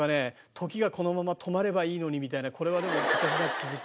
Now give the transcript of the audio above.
時がこのまま止まればいいのにみたいなこれはでも果てしなく続く。